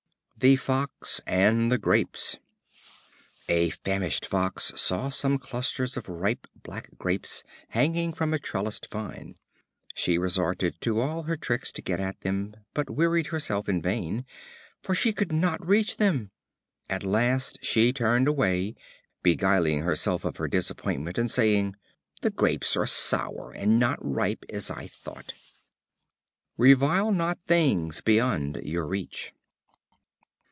The Fox and the Grapes. A famished Fox saw some clusters of ripe black grapes hanging from a trellised vine. She resorted to all her tricks to get at them, but wearied herself in vain, for she could not reach them. At last she turned away, beguiling herself of her disappointment, and saying: "The Grapes are sour, and not ripe as I thought." Revile not things beyond your reach.